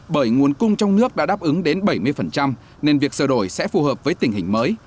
bởi nguồn cung trong nước đã đáp ứng đến bảy mươi nên việc sửa đổi sẽ phù hợp với tình hình mới